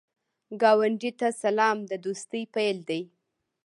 ګاونډي ته سلام، د دوستۍ پیل دی